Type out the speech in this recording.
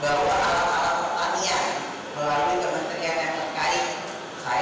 pertanyaannya adalah hidup matinya sebuah bangsa